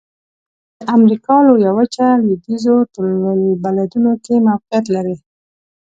د امریکا لویه وچه لویدیځو طول البلدونو کې موقعیت لري.